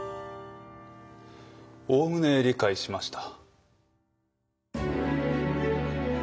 おおむね理解しました。